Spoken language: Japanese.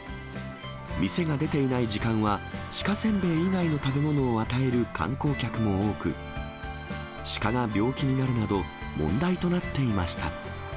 店が出ていない時間は、鹿せんべい以外の食べ物を与える観光客も多く、鹿が病気になるなど、問題となっていました。